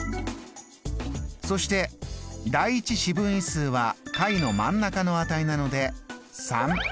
そして第１四分位数は下位の真ん中の値なので３。